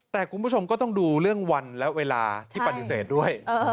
แต่คุณผู้ชมก็ต้องดูเรื่องวันและเวลาที่ปฏิเสธด้วย